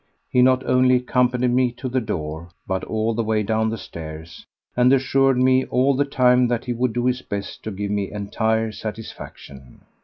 He not only accompanied me to the door, but all the way down the stairs, and assured me all the time that he would do his best to give me entire satisfaction.